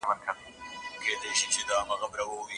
که ټولنه کتاب ولولي تر ناپوهې ټولني به جوړه سي.